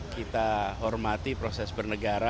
kita hormati proses bernegara